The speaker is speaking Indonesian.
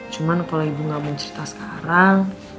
cuman kalau ibu gak mau cerita sekarang